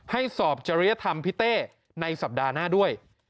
สอบจริยธรรมพี่เต้ในสัปดาห์หน้าด้วย